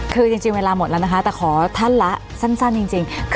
คือจริงเวลาหมดแล้วนะคะแต่ขอท่านละสั้นจริง